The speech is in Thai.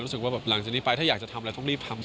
รู้สึกว่าแบบหลังจากนี้ไปถ้าอยากจะทำอะไรต้องรีบทำสิ